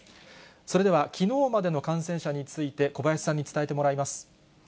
それでは、きのうまでの感染者について小林さんに伝えてもらいます。